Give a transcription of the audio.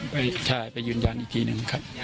ไปยืนยันอีกทีนึงครับ